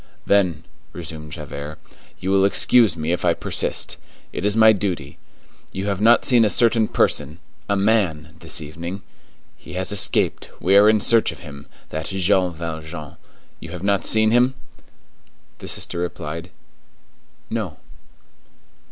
"Then," resumed Javert, "you will excuse me if I persist; it is my duty; you have not seen a certain person—a man—this evening? He has escaped; we are in search of him—that Jean Valjean; you have not seen him?" The sister replied:— "No."